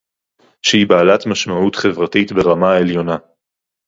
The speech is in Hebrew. שהיא בעלת משמעות חברתית ברמה העליונה